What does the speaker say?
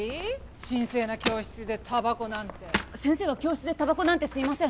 神聖な教室でたばこなんて先生は教室でたばこなんて吸いません